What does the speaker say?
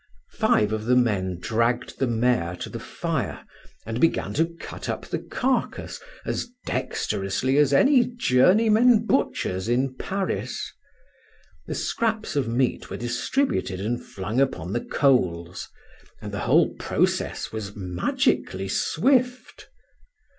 Five of the men dragged the mare to the fire, and began to cut up the carcass as dexterously as any journeymen butchers in Paris. The scraps of meat were distributed and flung upon the coals, and the whole process was magically swift.